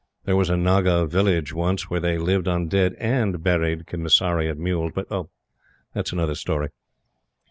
There was a Naga village once, where they lived on dead AND buried Commissariat mules.... But that is another story.